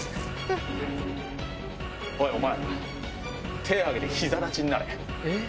おい、お前、手上げてひざ立ちになれ。